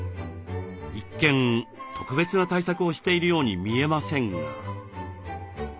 一見特別な対策をしているように見えませんが。